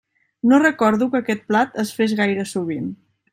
No recordo que aquest plat es fes gaire sovint.